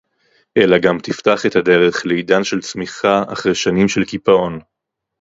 אלא גם תפתח את הדרך לעידן של צמיחה אחרי שנים של קיפאון